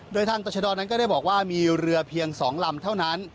โดยทางต่อชะดอนั้นก็ได้บอกว่ามีเรือเพียง๒ลำเท่านั้น